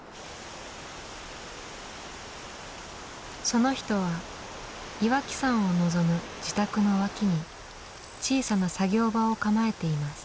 その人は岩木山を望む自宅の脇に小さな作業場を構えています。